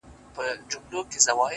• وځم له كوره له اولاده شپې نه كوم؛